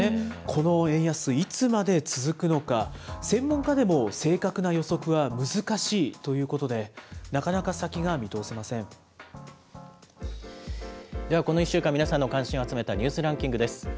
この円安、いつまで続くのか、専門家でも正確な予測は難しいということで、なかなか先が見通せではこの１週間、皆さんの関心を集めたニュースランキングです。